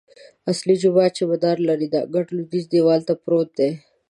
اصلي جومات چې منار لري، د انګړ لویدیځ دیوال ته پروت دی.